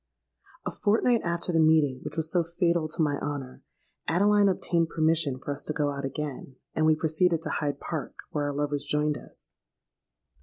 A fortnight after the meeting which was so fatal to my honour, Adeline obtained permission for us to go out again; and we proceeded to Hyde Park, where our lovers joined us.